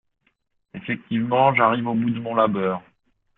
Effectivement, j’arrive au bout de mon labeur.